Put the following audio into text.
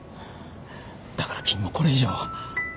だから君もこれ以上は。